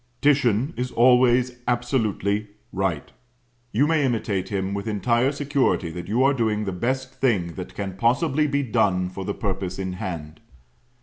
Titian is always absolutely Right. You may imitate him with entire security that you are doing the best thing that can possibly be done for the purpose in hand.